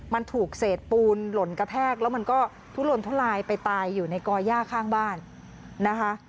มันถูกเศษปูนหล่นกระแทกแล้วมันก็ทุลนทุลายไปตายอยู่ในก่อย่าข้างบ้านนะคะ